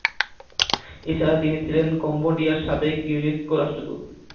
এছাড়া তিনি ছিলে কম্বোডিয়ার সাবেক ইউনেস্কো রাষ্ট্রদূত।